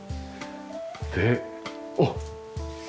であっ！